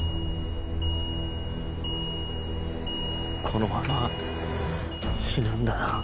このまま死ぬんだな